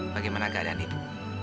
bagaimana keadaan ibu